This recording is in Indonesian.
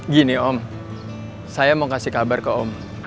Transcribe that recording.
gini om saya mau kasih kabar ke om